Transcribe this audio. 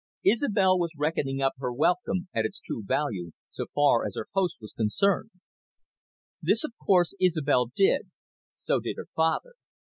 Isobel was reckoning up her welcome at its true value, so far as her host was concerned. This, of course, Isobel did, so did her father.